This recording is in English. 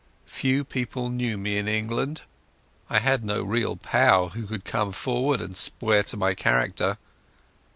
Few people knew me in England; I had no real pal who could come forward and swear to my character.